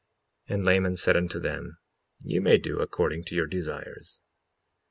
55:12 And Laman said unto them: You may do according to your desires.